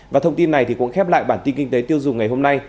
và thông tin này cũng khép lại bản tin kinh tế tiêu dùng ngày hôm nay